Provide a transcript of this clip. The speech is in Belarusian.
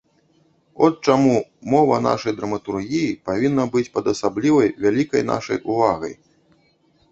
От чаму мова нашай драматургіі павінна быць пад асаблівай вялікай нашай увагай.